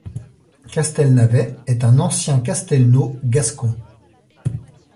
Castelnavet est un ancien castelnau gascon.